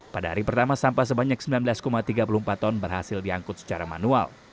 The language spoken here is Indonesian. pada hari pertama sampah sebanyak sembilan belas tiga puluh empat ton berhasil diangkut secara manual